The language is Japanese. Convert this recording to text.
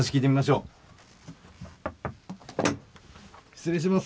失礼します。